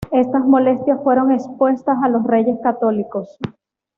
Estas molestias fueron expuestas a los Reyes Católicos.